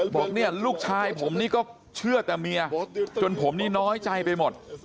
บอกเนี่ยลูกชายผมนี่ก็เชื่อแต่เมียจนผมนี่น้อยใจไปหมด